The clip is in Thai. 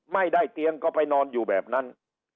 ไม่ได้เตียงก็ไปนอนอยู่แบบนั้น